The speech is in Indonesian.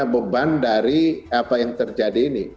beban dari apa yang terjadi ini